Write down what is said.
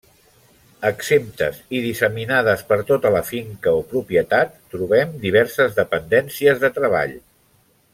Exemptes i disseminades per tota la finca o propietat trobem diverses dependències de treball.